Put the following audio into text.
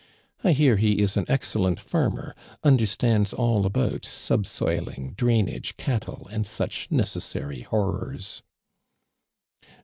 I hear he is an excellent farmer, understands all about sub soiling, drainage, cattle and such necessary horrors."